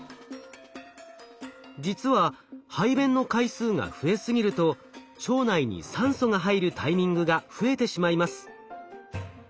実は排便の回数が増えすぎると腸内に酸素が入るタイミングが増えてしまいます。